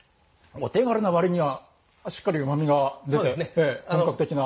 お手軽な割にはしっかりうまみが出て本格的な。